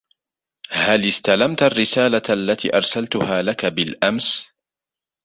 هل إستلمتَ الرسالة التي أرسلتها لكَ بالأمس؟